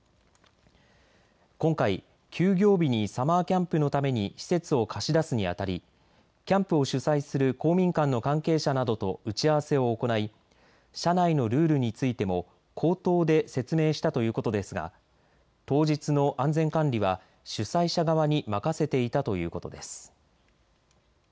今回、休業日にサマーキャンプのために施設を貸し出すにあたりキャンプを主催する公民館の関係者などと打ち合わせを行い社内のルールについても口頭で説明したということですが当日の安全管理は主催者側に任せていたということです。